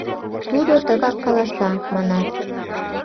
— Тудо тыгак каласа, манат?